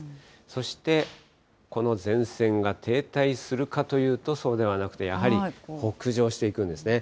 そしてこの前線が停滞するかというと、そうではなくて、やはり北上していくんですね。